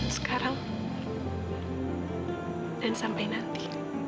sekarang dan sampai nanti